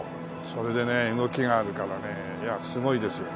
それでね動きがあるからねいやすごいですよ。